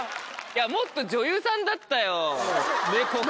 もっと女優さんだったよ。